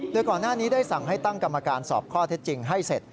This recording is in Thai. โดยก่อนหน้านี้ได้สั่งให้ตั้งกรรมการสอบข้อเท็จจริงให้เสร็จ